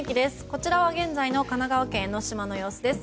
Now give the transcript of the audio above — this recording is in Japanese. こちらは現在の神奈川県江の島の映像です。